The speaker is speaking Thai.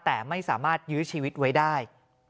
แต่ไม่สามารถยื้อชีวิตไว้ได้